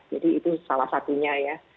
jadi itu salah satunya